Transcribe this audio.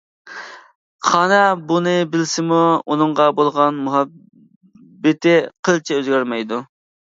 خانا بۇنى بىلسىمۇ ئۇنىڭغا بولغان مۇھەببىتى قىلچە ئۆزگەرمەيدۇ.